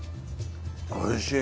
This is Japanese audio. おいしい。